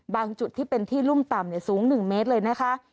จุดที่เป็นที่รุ่มต่ำสูง๑เมตรเลยนะคะ